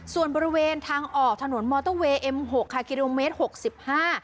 ส่วนบริเวณทางออกถนนมอเตอร์เวย์เอ็มหกค่ะกิโลเมตรหกสิบห้า